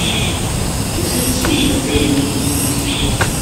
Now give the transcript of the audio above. D acu ay tessnemt ɣef tayri?